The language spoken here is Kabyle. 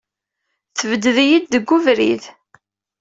Tbedded-iyi deg ubrid!